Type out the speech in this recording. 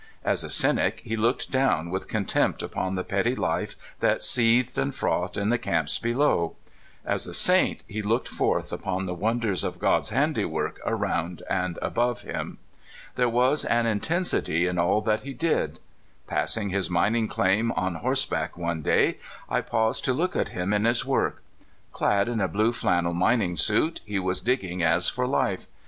As a cynic, he looked down with con tempt upon the petty life that seethed and frothed in the camps below; as a saint, he looked forth upon the wonders of God's handiwork around and above him. There was an intensity in all that he did. Passing his mining claim on horse back one day, I paused to look at him in his work. Clad in a blue flannel mining suit, he was digging as for life.